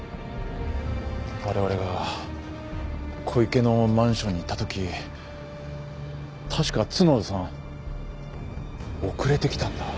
われわれが小池のマンションに行ったとき確か角田さん遅れてきたんだ。